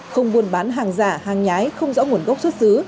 không buôn bán hàng giả hàng nhái không rõ nguồn gốc xuất xứ